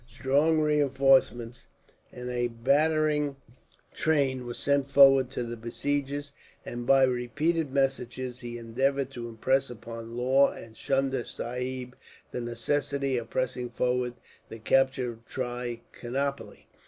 Strong reinforcements and a battering train were sent forward to the besiegers; and, by repeated messages, he endeavoured to impress upon Law and Chunda Sahib the necessity of pressing forward the capture of Trichinopoli.